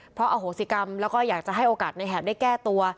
เพราะอโหสิกรรมแล้วก็อยากจะให้โอกาสในแหบได้แก้ตัว